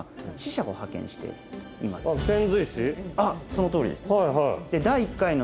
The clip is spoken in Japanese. あっそのとおりです。